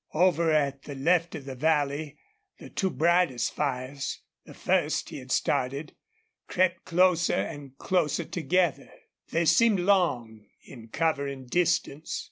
Over at the left of the valley the two brightest fires, the first he had started, crept closer and closer together. They seemed long in covering distance.